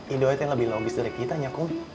iduanya lebih logis dari kita ya